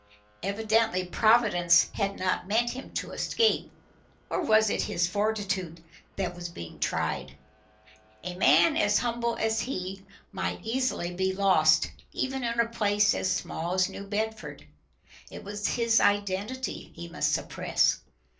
Evidently Providence had not meant him to escape. Or was it his fortitude that was being tried? A man as humble as he might easily be lost even in a place as small as New Bedford. It was his identity he must suppress.